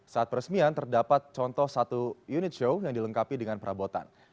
saat peresmian terdapat contoh satu unit show yang dilengkapi dengan perabotan